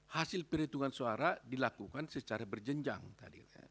hasil perhitungan suara dilakukan secara berjenjang tadi